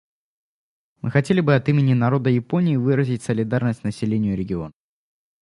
Мы хотели бы от имени народа Японии выразить солидарность населению региона.